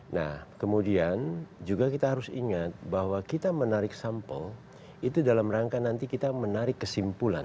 nah kemudian juga kita harus ingat bahwa kita menarik sampel itu dalam rangka nanti kita menarik kesimpulan